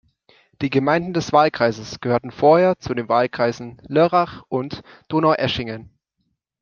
Die Gemeinden des Wahlkreises gehörten vorher zu den Wahlkreisen Lörrach und Donaueschingen.